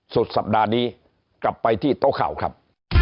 สุดสัปดาห์นี้กลับไปที่โต๊ะข่าวครับ